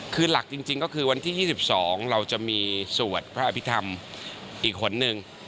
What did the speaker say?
คือหลักจริงก็คือวันที่๒๒เราจะมีสวดพระอภิษฐรรมอีกหนหนึ่ง